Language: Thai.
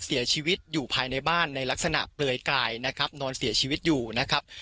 เสียชีวิตอยู่ภายในบ้านในลักษณะเปลือยกายนะครับนอนเสียชีวิตอยู่นะครับ